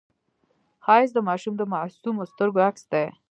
ښایست د ماشوم د معصومو سترګو عکس دی